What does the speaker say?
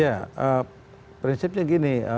ya prinsipnya gini